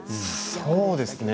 そうですね。